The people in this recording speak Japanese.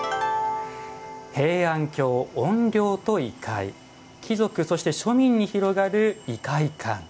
「平安京怨霊と異界」「貴族そして庶民に広がる異界観」。